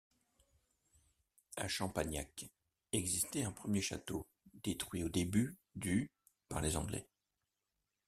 À Champagnac existait un premier château, détruit au début du par les Anglais.